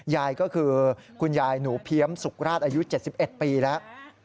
ยายก็คือคุณยายหนูเพี้ยมสุขราชอายุ๗๑ปีแล้ว